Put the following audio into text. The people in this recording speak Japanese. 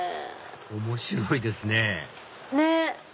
面白いですねねっ。